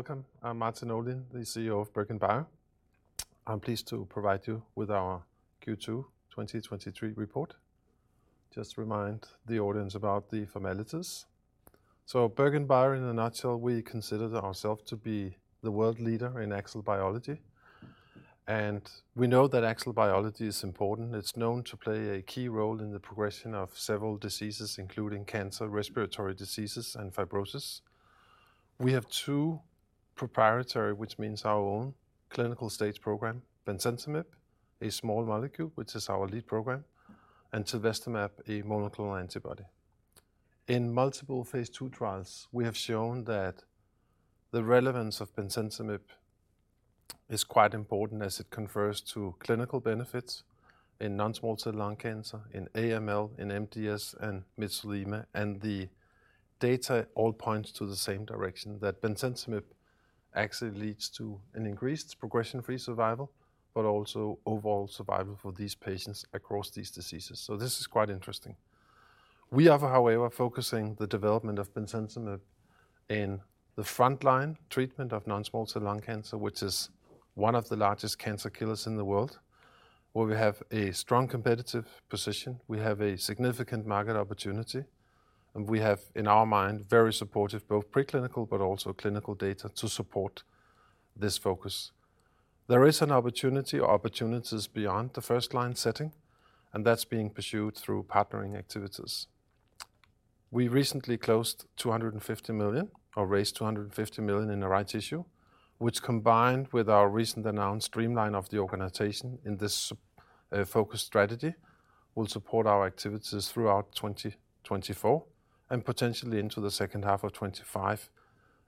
Good morning and welcome. I'm Martin Olin, the CEO of BerGenBio. I'm pleased to provide you with our Q2 2023 report. Just remind the audience about the formalities. BerGenBio, in a nutshell, we consider ourselves to be the world leader in AXL biology, and we know that AXL biology is important. It's known to play a key role in the progression of several diseases, including cancer, respiratory diseases, and fibrosis. We have two proprietary, which means our own, clinical-stage program, Bemcentinib, a small molecule, which is our lead program, and tilvestamab, a monoclonal antibody. In multiple phase II trials, we have shown that the relevance of Bemcentinib is quite important as it confers to clinical benefits in non-small cell lung cancer, in AML, in MDS, and myeloma. The data all points to the same direction, that Bemcentinib actually leads to an increased progression-free survival, but also overall survival for these patients across these diseases. This is quite interesting. We are, however, focusing the development of Bemcentinib in the frontline treatment of non-small cell lung cancer, which is one of the largest cancer killers in the world, where we have a strong competitive position. We have a significant market opportunity, and we have, in our mind, very supportive, both preclinical but also clinical data to support this focus. There is an opportunity or opportunities beyond the first-line setting, and that's being pursued through partnering activities. We recently closed 250 million, or raised 250 million in a rights issue, which combined with our recent announced streamline of the organization in this focused strategy, will support our activities throughout 2024, and potentially into the second half of 25,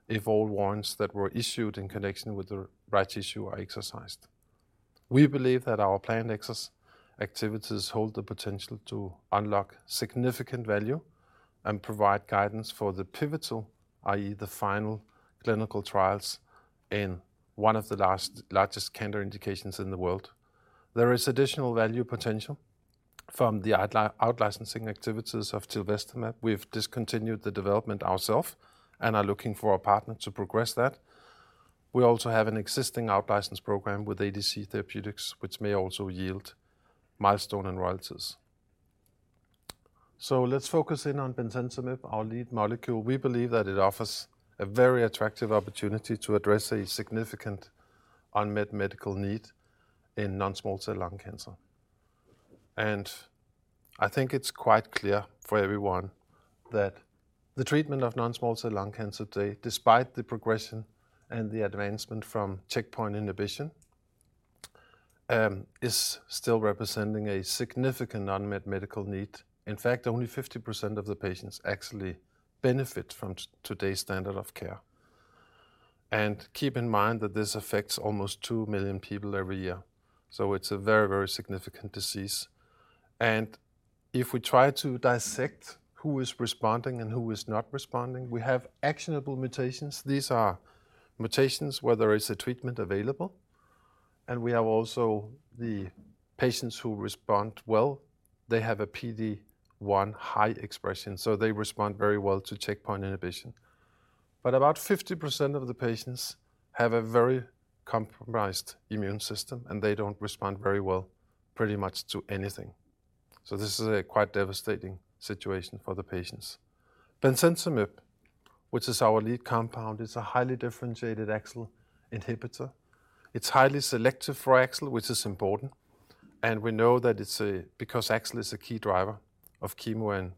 if all warrants that were issued in connection with the rights issue are exercised. We believe that our planned access activities hold the potential to unlock significant value and provide guidance for the pivotal, i.e., the final clinical trials in one of the last largest cancer indications in the world. There is additional value potential from the out-licensing activities of tilvestamab. We've discontinued the development ourself and are looking for a partner to progress that. We also have an existing out-license program with ADC Therapeutics, which may also yield milestone and royalties. Let's focus in on Bemcentinib, our lead molecule. We believe that it offers a very attractive opportunity to address a significant unmet medical need in non-small cell lung cancer. I think it's quite clear for everyone that the treatment of non-small cell lung cancer today, despite the progression and the advancement from checkpoint inhibition, is still representing a significant unmet medical need. In fact, only 50% of the patients actually benefit from today's standard of care. Keep in mind that this affects almost 2 million people every year, so it's a very, very significant disease. If we try to dissect who is responding and who is not responding, we have actionable mutations. These are mutations where there is a treatment available, and we have also the patients who respond well. They have a PD-1 high expression, so they respond very well to checkpoint inhibition. About 50% of the patients have a very compromised immune system, and they don't respond very well pretty much to anything. This is a quite devastating situation for the patients. bemcentinib, which is our lead compound, is a highly differentiated AXL inhibitor. It's highly selective for AXL, which is important, and we know that it's a because AXL is a key driver of chemo and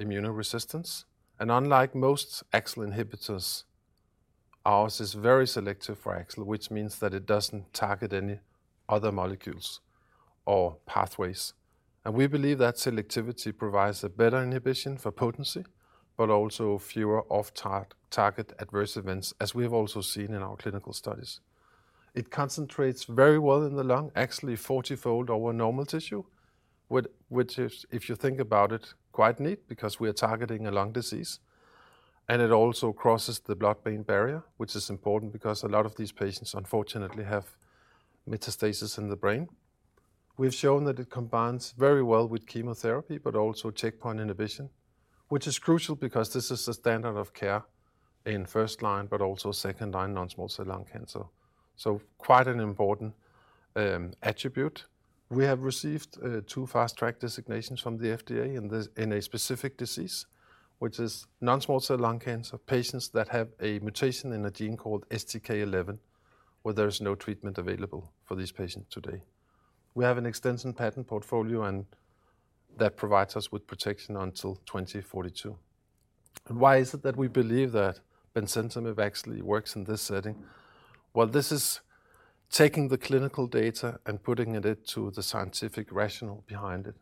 immunoresistance. Unlike most AXL inhibitors, ours is very selective for AXL, which means that it doesn't target any other molecules or pathways. We believe that selectivity provides a better inhibition for potency, but also fewer off-target adverse events, as we have also seen in our clinical studies. It concentrates very well in the lung, actually 40-fold over normal tissue, which, which is, if you think about it, quite neat because we are targeting a lung disease. It also crosses the blood-brain barrier, which is important because a lot of these patients, unfortunately, have metastasis in the brain. We've shown that it combines very well with chemotherapy, but also checkpoint inhibition, which is crucial because this is the standard of care in first line, but also second-line non-small cell lung cancer. Quite an important attribute. We have received two Fast Track designations from the FDA in this in a specific disease, which is non-small cell lung cancer, patients that have a mutation in a gene called STK11, where there is no treatment available for these patients today. We have an extensive patent portfolio, and that provides us with protection until 2042. Why is it that we believe that bemcentinib actually works in this setting? Well, this is taking the clinical data and putting it into the scientific rationale behind it.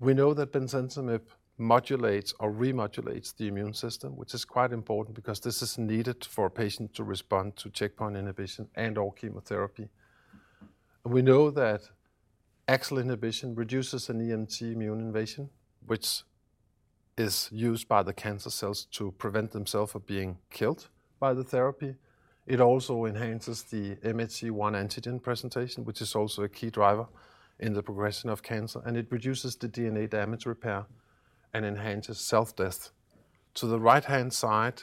We know that bemcentinib modulates or remodulates the immune system, which is quite important because this is needed for a patient to respond to checkpoint inhibition and/or chemotherapy. We know that AXL inhibition reduces an EMT immune invasion, which is used by the cancer cells to prevent themselves from being killed by the therapy. It also enhances the MHC-1 antigen presentation, which is also a key driver in the progression of cancer, and it reduces the DNA damage repair. Enhances self death. To the right-hand side,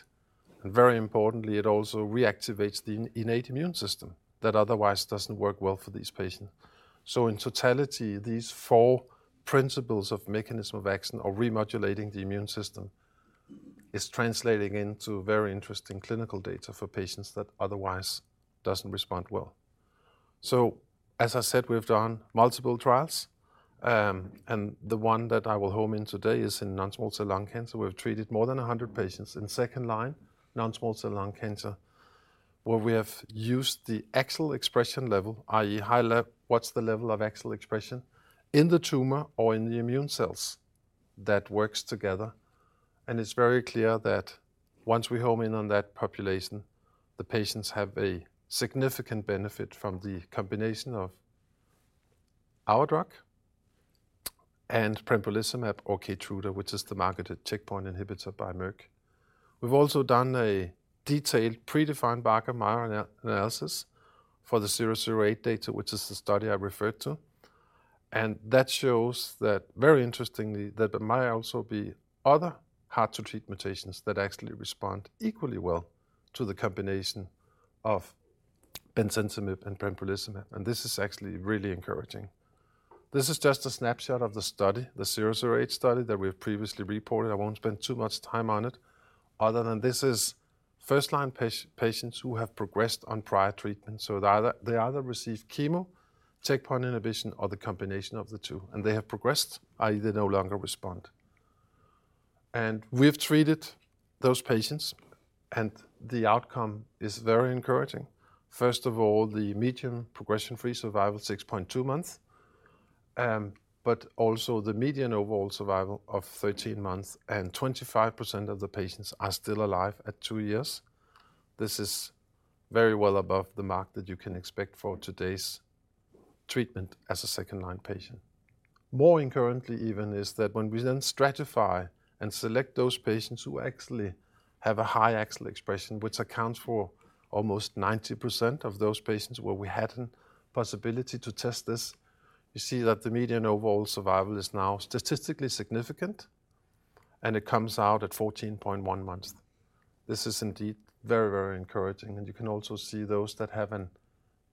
and very importantly, it also reactivates the innate immune system that otherwise doesn't work well for these patients. In totality, these four principles of mechanism of action are remodulating the immune system, is translating into very interesting clinical data for patients that otherwise doesn't respond well. As I said, we've done multiple trials, and the one that I will home in today is in non-small cell lung cancer. We've treated more than 100 patients in second line, non-small cell lung cancer, where we have used the AXL expression level, i.e. What's the level of AXL expression in the tumor or in the immune cells that works together? It's very clear that once we home in on that population, the patients have a significant benefit from the combination of our drug and pembrolizumab or Keytruda, which is the marketed checkpoint inhibitor by Merck. We've also done a detailed predefined Kaplan-Meier analysis for the RAD-18-008 data, which is the study I referred to. That shows that, very interestingly, that there might also be other hard-to-treat mutations that actually respond equally well to the combination of bemcentinib and pembrolizumab. This is actually really encouraging. This is just a snapshot of the study, the RAD-18-008 study that we have previously reported. I won't spend too much time on it, other than this is first-line patients who have progressed on prior treatment. They either, they either received chemo, checkpoint inhibition, or the combination of the two, and they have progressed, i.e., they no longer respond. We have treated those patients, and the outcome is very encouraging. First of all, the median progression-free survival, 6.2 months, but also the median overall survival of 13 months, and 25% of the patients are still alive at two years. This is very well above the mark that you can expect for today's treatment as a second-line patient. More encouraging even is that when we then stratify and select those patients who actually have a high AXL expression, which accounts for almost 90% of those patients where we had an possibility to test this, you see that the median overall survival is now statistically significant, and it comes out at 14.1 months. This is indeed very, very encouraging, and you can also see those that have an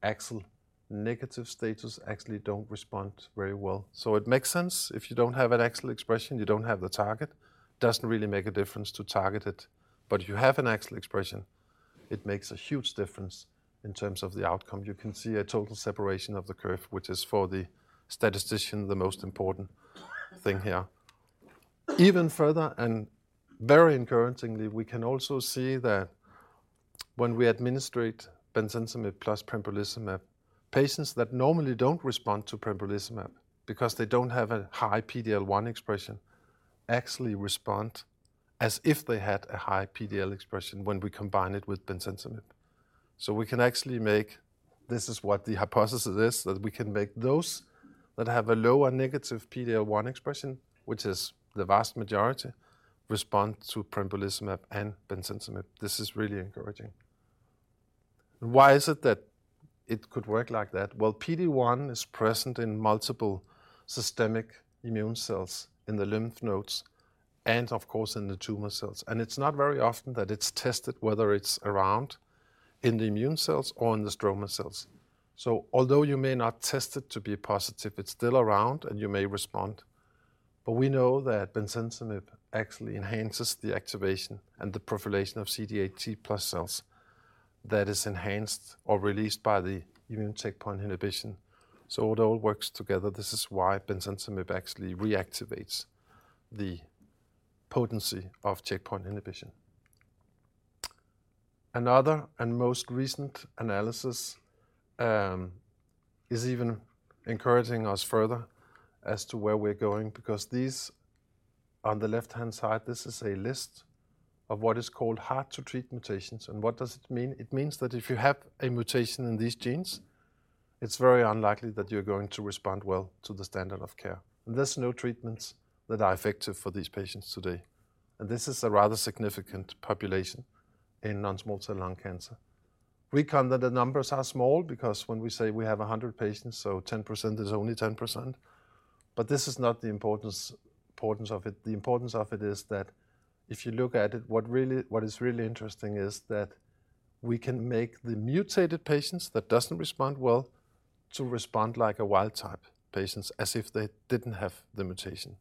AXL negative status actually don't respond very well. It makes sense. If you don't have an AXL expression, you don't have the target. Doesn't really make a difference to target it. If you have an AXL expression, it makes a huge difference in terms of the outcome. You can see a total separation of the curve, which is for the statistician, the most important thing here. Even further, and very encouragingly, we can also see that when we administrate bemcentinib plus pembrolizumab, patients that normally don't respond to pembrolizumab because they don't have a high PDL-1 expression, actually respond as if they had a high PDL expression when we combine it with bemcentinib. This is what the hypothesis is, that we can make those that have a low or negative PDL-1 expression, which is the vast majority, respond to pembrolizumab and bemcentinib. This is really encouraging. Why is it that it could work like that? Well, PD-1 is present in multiple systemic immune cells, in the lymph nodes, and of course, in the tumor cells. It's not very often that it's tested, whether it's around in the immune cells or in the stromal cells. Although you may not test it to be positive, it's still around, and you may respond. We know that bemcentinib actually enhances the activation and the proliferation of CD8+ T cells that is enhanced or released by the immune checkpoint inhibition. It all works together. This is why bemcentinib actually reactivates the potency of checkpoint inhibition. Another and most recent analysis is even encouraging us further as to where we're going, because these on the left-hand side, this is a list of what is called hard to treat mutations. What does it mean? It means that if you have a mutation in these genes, it's very unlikely that you're going to respond well to the standard of care. There's no treatments that are effective for these patients today, and this is a rather significant population in non-small cell lung cancer. We count that the numbers are small because when we say we have 100 patients, 10% is only 10%, but this is not the importance, importance of it. The importance of it is that if you look at it, what is really interesting is that we can make the mutated patients that doesn't respond well to respond like a wild type patients, as if they didn't have the mutation.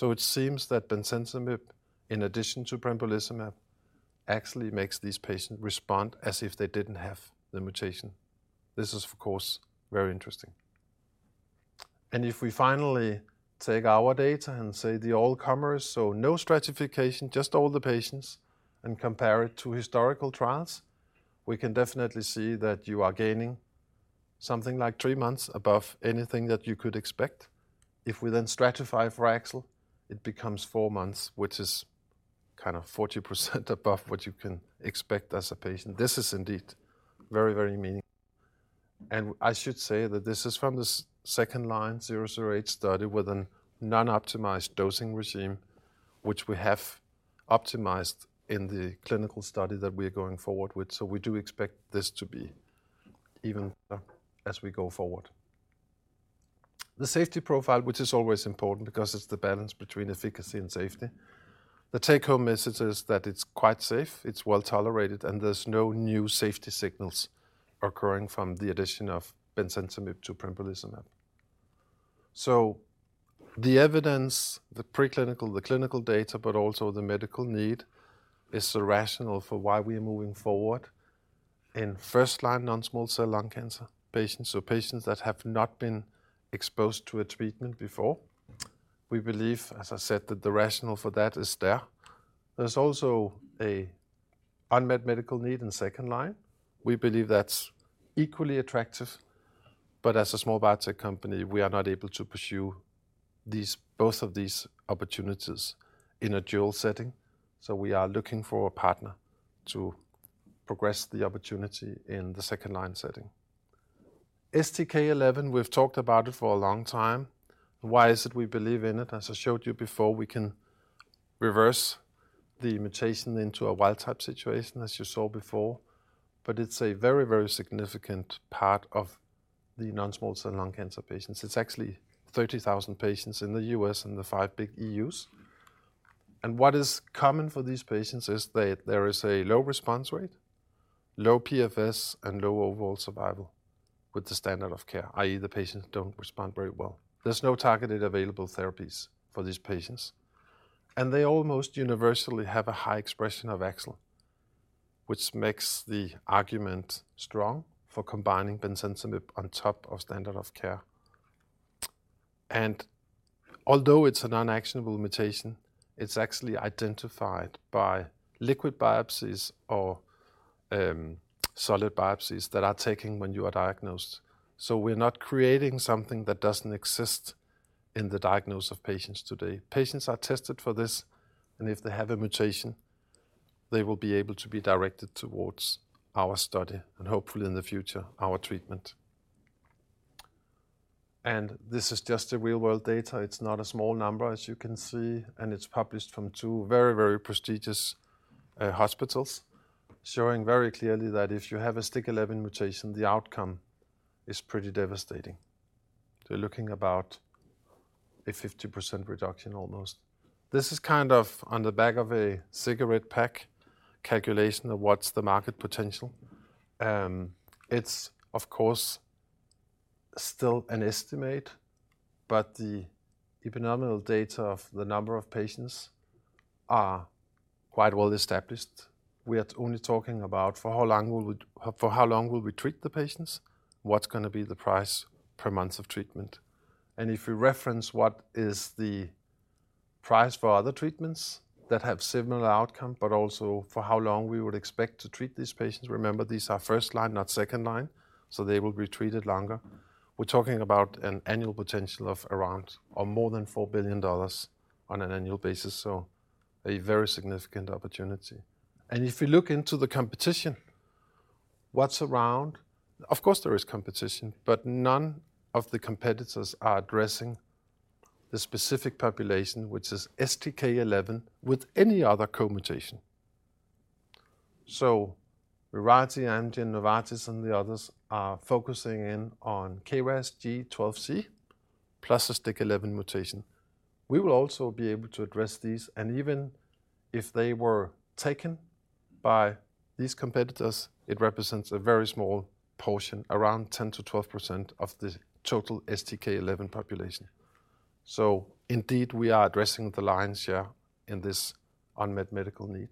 It seems that bemcentinib, in addition to pembrolizumab, actually makes these patients respond as if they didn't have the mutation. This is, of course, very interesting. If we finally take our data and say the all comers, so no stratification, just all the patients, and compare it to historical trials, we can definitely see that you are gaining something like 3 months above anything that you could expect. If we then stratify for AXL, it becomes 4 months, which is kind of 40% above what you can expect as a patient. This is indeed very, very. I should say that this is from the second-line, 008 study with a non-optimized dosing regimen, which we have optimized in the clinical study that we're going forward with. We do expect this to be even as we go forward. The safety profile, which is always important because it's the balance between efficacy and safety. The take-home message is that it's quite safe, it's well-tolerated, and there's no new safety signals occurring from the addition of bemcentinib to pembrolizumab. The evidence, the preclinical, the clinical data, but also the medical need, is the rationale for why we are moving forward in first-line non-small cell lung cancer patients or patients that have not been exposed to a treatment before. We believe, as I said, that the rationale for that is there. There's also a unmet medical need in second line. We believe that's equally attractive, but as a small biotech company, we are not able to pursue both of these opportunities in a dual setting, so we are looking for a partner to progress the opportunity in the second-line setting. STK11, we've talked about it for a long time, and why is it we believe in it? As I showed you before, we can reverse the mutation into a wild type situation, as you saw before, but it's a very, very significant part of the non-small cell lung cancer patients. It's actually 30,000 patients in the U.S. and the five big EUs. What is common for these patients is that there is a low response rate, low PFS, and low overall survival with the standard of care, i.e., the patients don't respond very well. There's no targeted available therapies for these patients, and they almost universally have a high expression of AXL, which makes the argument strong for combining bemcentinib on top of standard of care. Although it's a non-actionable mutation, it's actually identified by liquid biopsies or solid biopsies that are taking when you are diagnosed. We're not creating something that doesn't exist in the diagnosis of patients today. Patients are tested for this. If they have a mutation, they will be able to be directed towards our study and hopefully in the future, our treatment. This is just a real world data. It's not a small number, as you can see, and it's published from two very, very prestigious hospitals, showing very clearly that if you have a STK11 mutation, the outcome is pretty devastating. You're looking about a 50% reduction almost. This is kind of on the back of a cigarette pack calculation of what's the market potential. It's of course, still an estimate, but the nominal data of the number of patients are quite well-established. We are only talking about for how long will we treat the patients? What's gonna be the price per month of treatment? If we reference what is the price for other treatments that have similar outcome, but also for how long we would expect to treat these patients, remember, these are first line, not second line, so they will be treated longer. We're talking about an annual potential of around or more than $4 billion on an annual basis, so a very significant opportunity. If you look into the competition, what's around? Of course, there is competition, but none of the competitors are addressing the specific population, which is STK11, with any other co-mutation. Mirati, Amgen, Novartis, and the others are focusing in on KRAS G12C plus a STK11 mutation. We will also be able to address these, and even if they were taken by these competitors, it represents a very small portion, around 10%-12% of the total STK11 population. Indeed, we are addressing the lion's share in this unmet medical need.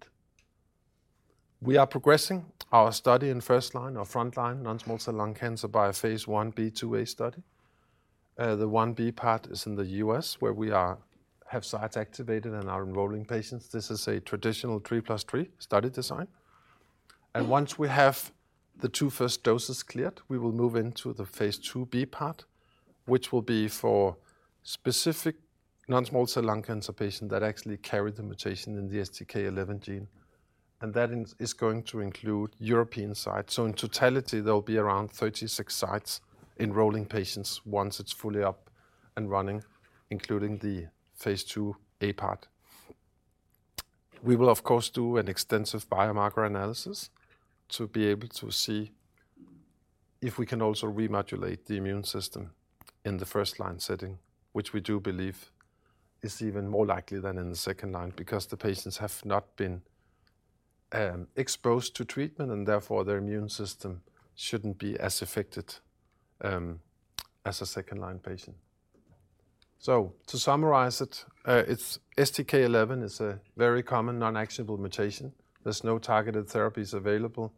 We are progressing our study in first line or frontline non-small cell lung cancer by a phase Ib, IIa study. The Ib part is in the US, where we have sites activated and are enrolling patients. This is a traditional 3+3 study design. Once we have the two first doses cleared, we will move into the phase IIb part, which will be for specific non-small cell lung cancer patient that actually carry the mutation in the STK11 gene, and that is, is going to include European sites. In totality, there will be around 36 sites enrolling patients once it's fully up and running, including the phase IIa part. We will, of course, do an extensive biomarker analysis to be able to see if we can also remodulate the immune system in the first-line setting, which we do believe is even more likely than in the second-line, because the patients have not been exposed to treatment, and therefore, their immune system shouldn't be as affected as a second-line patient. To summarize it, STK11 is a very common non-actionable mutation. There's no targeted therapies available.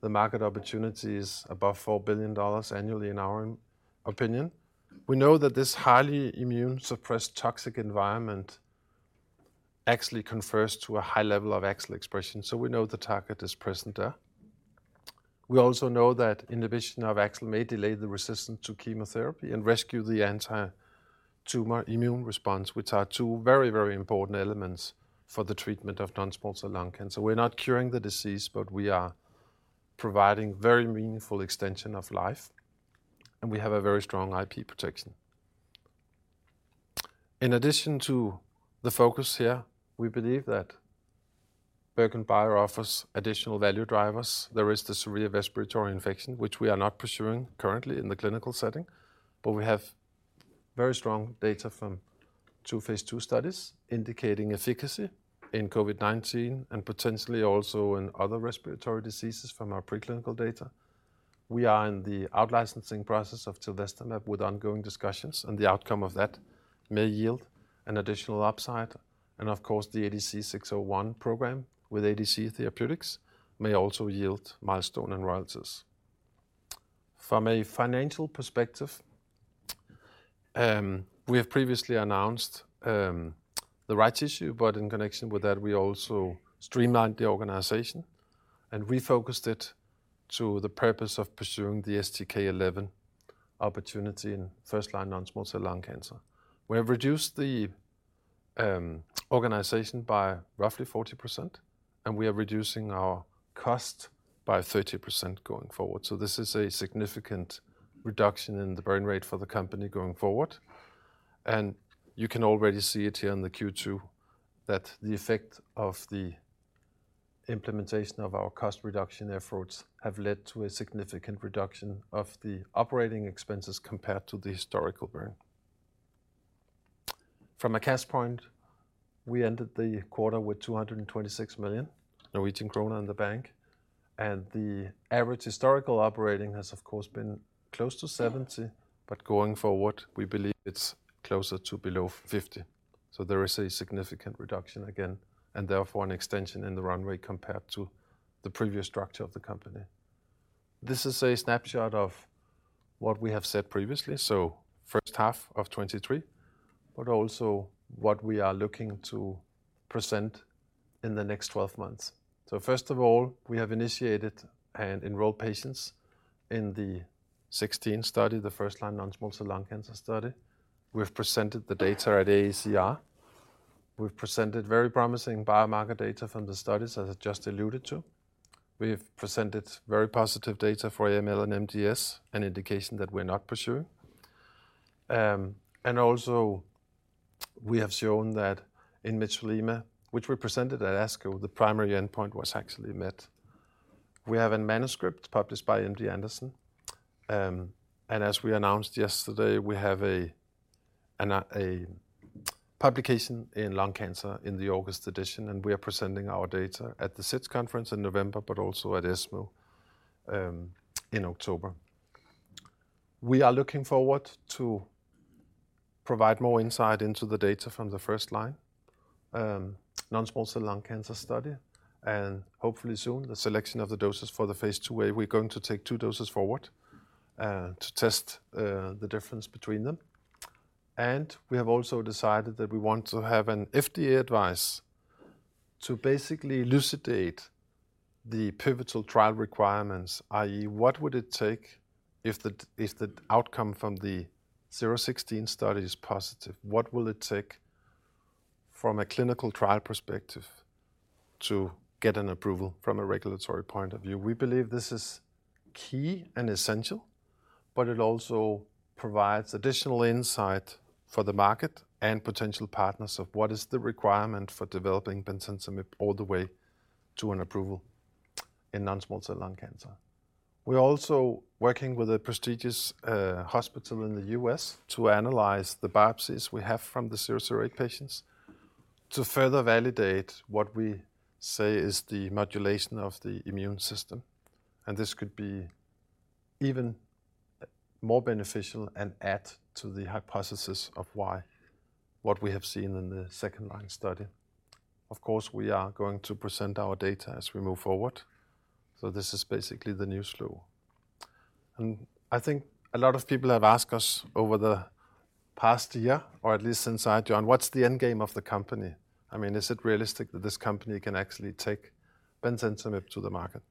The market opportunity is above $4 billion annually in our own opinion. We know that this highly immune-suppressed toxic environment actually confers to a high level of AXL expression, so we know the target is present there. We also know that inhibition of AXL may delay the resistance to chemotherapy and rescue the anti-tumor immune response, which are two very, very important elements for the treatment of non-small cell lung cancer. We're not curing the disease, but we are providing very meaningful extension of life, and we have a very strong IP protection. In addition to the focus here, we believe that BerGenBio offers additional value drivers. There is the severe respiratory infection, which we are not pursuing currently in the clinical setting, but we have very strong data from 2 phase 2 studies indicating efficacy in COVID-19 and potentially also in other respiratory diseases from our preclinical data. We are in the out-licensing process of Tilvestamab with ongoing discussions, and the outcome of that may yield an additional upside. Of course, the ADCT-601 program with ADC Therapeutics may also yield milestone and royalties. From a financial perspective, we have previously announced the rights issue, in connection with that, we also streamlined the organization and refocused it to the purpose of pursuing the STK11 opportunity in first-line non-small cell lung cancer. We have reduced the organization by roughly 40%, we are reducing our cost by 30% going forward. This is a significant reduction in the burn rate for the company going forward, you can already see it here on the Q2, that the effect of the implementation of our cost reduction efforts have led to a significant reduction of the operating expenses compared to the historical burn. From a cash point, we ended the quarter with 226 million Norwegian krone in the bank, and the average historical operating has, of course, been close to 70, but going forward, we believe it's closer to below 50. There is a significant reduction again, and therefore an extension in the runway compared to the previous structure of the company. This is a snapshot of what we have said previously, so first half of 2023, but also what we are looking to present in the next 12 months. First of all, we have initiated and enrolled patients in the 16 study, the first-line non-small cell lung cancer study. We have presented the data at AACR. We've presented very promising biomarker data from the studies, as I just alluded to. We have presented very positive data for AML and MDS, an indication that we're not pursuing. We have shown that in myeloma, which we presented at ASCO, the primary endpoint was actually met. We have a manuscript published by MD Anderson. As we announced yesterday, we have a publication in Lung Cancer in the August edition. We are presenting our data at the SITC conference in November, but also at ESMO in October. We are looking forward to provide more insight into the data from the first-line non-small cell lung cancer study, and hopefully soon, the selection of the doses for the phase II, where we're going to take 2 doses forward to test the difference between them. We have also decided that we want to have an FDA advice to basically elucidate the pivotal trial requirements, i.e., what would it take if the... If the outcome from the NO-21-016 study is positive, what will it take from a clinical trial perspective to get an approval from a regulatory point of view? We believe this is key and essential, but it also provides additional insight for the market and potential partners of what is the requirement for developing bemcentinib all the way to an approval in non-small cell lung cancer. We're also working with a prestigious hospital in the US to analyze the biopsies we have from the RAD-18-001 patients, to further validate what we say is the modulation of the immune system. This could be even more beneficial and add to the hypothesis of what we have seen in the second-line study. We are going to present our data as we move forward, so this is basically the new slew. I think a lot of people have asked us over the past year, or at least since I joined, "What's the end game of the company? I mean, is it realistic that this company can actually take bemcentinib to the market?"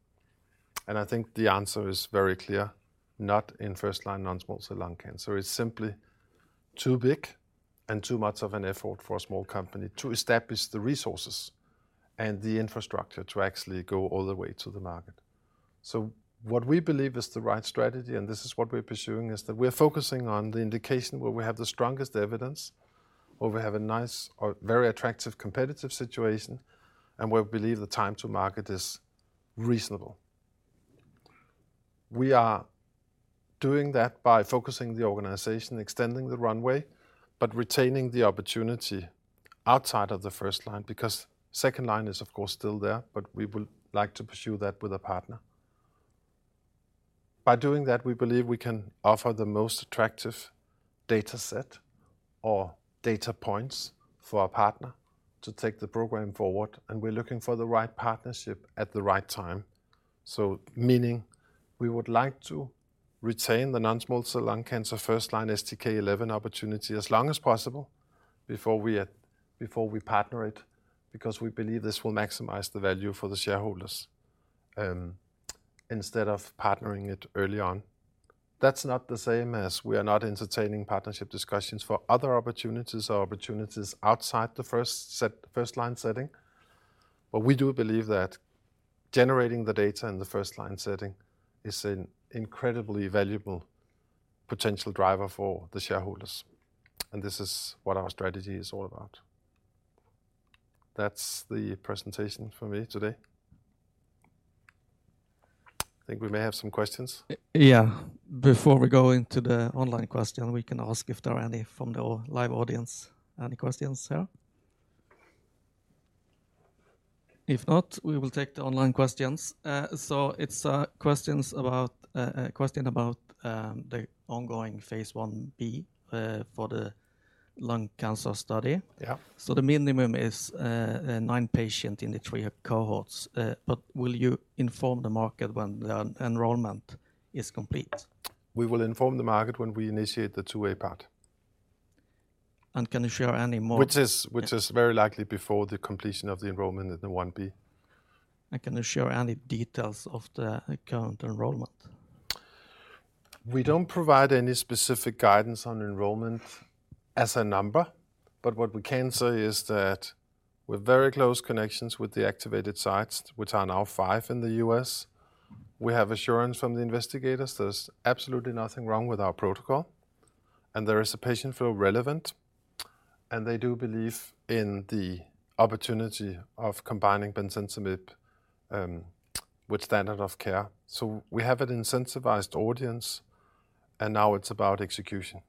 I think the answer is very clear, not in first-line non-small cell lung cancer. It's simply too big and too much of an effort for a small company to establish the resources and the infrastructure to actually go all the way to the market. What we believe is the right strategy, and this is what we're pursuing, is that we're focusing on the indication where we have the strongest evidence, or we have a nice or very attractive competitive situation, and where we believe the time to market is reasonable. We are doing that by focusing the organization, extending the runway, retaining the opportunity outside of the first line, because second line is, of course, still there, we would like to pursue that with a partner. We believe we can offer the most attractive data set or data points for our partner to take the program forward, and we're looking for the right partnership at the right time. Meaning we would like to retain the non-small cell lung cancer first-line STK11 opportunity as long as possible before we before we partner it, because we believe this will maximize the value for the shareholders instead of partnering it early on. That's not the same as we are not entertaining partnership discussions for other opportunities or opportunities outside the first-line setting. We do believe that generating the data in the first-line setting is an incredibly valuable potential driver for the shareholders, and this is what our strategy is all about. That's the presentation for me today. I think we may have some questions. Yeah. Before we go into the online question, we can ask if there are any from the live audience, any questions here? If not, we will take the online questions. It's questions about a question about the ongoing phase 1b for the lung cancer study. Yeah. The minimum is, nine patient in the three cohorts, but will you inform the market when the enrollment is complete? We will inform the market when we initiate the two-way path. Can you share any more... Which is, which is very likely before the completion of the enrollment in the Ib. Can you share any details of the current enrollment? We don't provide any specific guidance on enrollment as a number. What we can say is that we're very close connections with the activated sites, which are now 5 in the U.S. We have assurance from the investigators there's absolutely nothing wrong with our protocol, and there is a patient feel relevant, and they do believe in the opportunity of combining bemcentinib with standard of care. We have an incentivized audience, and now it's about execution,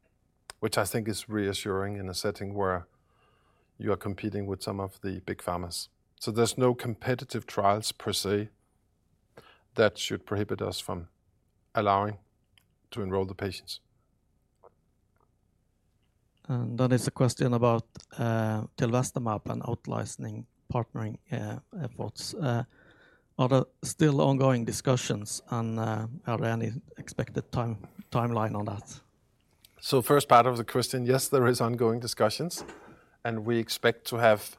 which I think is reassuring in a setting where you are competing with some of the big Pharmas. There's no competitive trials per se, that should prohibit us from allowing to enroll the patients. Then there's a question about Tilvestamab and out-licensing partnering efforts. Are there still ongoing discussions, and are there any expected timeline on that? First part of the question, yes, there are ongoing discussions, and we expect to have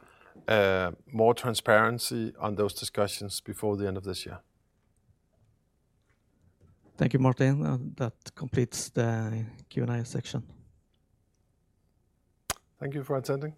more transparency on those discussions before the end of this year. Thank you, Martin. That completes the Q&A section. Thank you for attending.